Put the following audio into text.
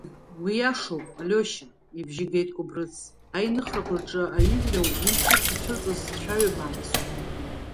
Уиашоуп, Алиоша, ибжьы геит Кәыбрыц, аиныхрақәа рҿы аҩыжәра уи ҿыц ицәырҵыз цәаҩа бааԥсуп.